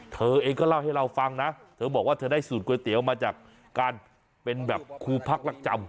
เธอเองก็เล่าให้เราฟังนะเธอบอกว่าเธอได้สูตรก๋วยเตี๋ยวมาจากการเป็นแบบครูพักรักจำ